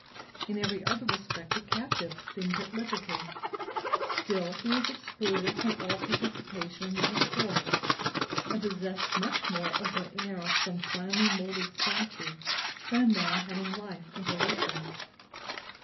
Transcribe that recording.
In every other respect, the captive seemed at liberty; still he was excluded from all participation in the discourse, and possessed much more of the air of some finely molded statue than a man having life and volition.